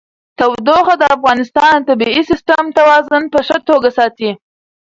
تودوخه د افغانستان د طبعي سیسټم توازن په ښه توګه ساتي.